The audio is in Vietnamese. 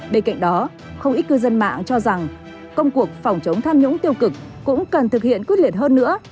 bên cạnh đó không ít cư dân mạng cho rằng công cuộc phòng chống tham nhũng tiêu cực cũng cần thực hiện quyết liệt hơn nữa